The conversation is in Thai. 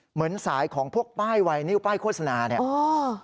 เหมือนสายของพวกป้ายไวนิ้วป้ายโฆษณาเนี่ย